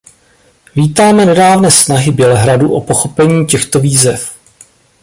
Vítáme nedávné snahy Bělehradu o pochopení těchto výzev.